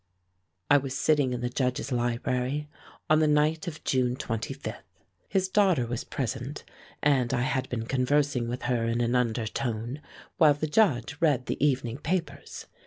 I was sitting in the Judge's library on the night of June 25. His daughter was present, and I had been conversing with her in an undertone while the Judge read the evening papers.